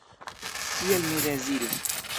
Kiel mi dezirus.